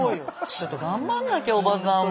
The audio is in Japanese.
ちょっと頑張んなきゃおばさんも。